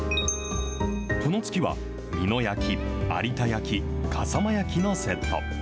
この月は美濃焼、有田焼、笠間焼のセット。